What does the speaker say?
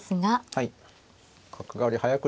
はい。